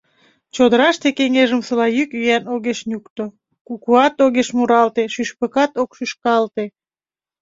Чодыраште кеҥежымсыла йӱк-йӱан огеш нюкто: кукуат огеш муралте, шӱшпыкат ок шӱшкалте.